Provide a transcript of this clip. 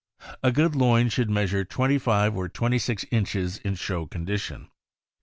A good loin should measure twenty five or twenty six inches in show condition.